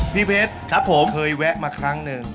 พี่เพชรครับผมเคยแวะมาครั้งหนึ่ง